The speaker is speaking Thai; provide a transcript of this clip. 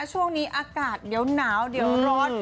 ช่วงนี้อากาศเดี๋ยวหนาวเดี๋ยวร้อน